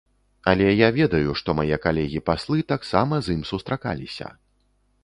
Але я ведаю, што мае калегі-паслы таксама з ім сустракаліся.